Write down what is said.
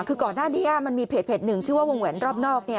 คือก่อนหน้านี้มันมีเพจหนึ่งชื่อว่าวงแหวนรอบนอก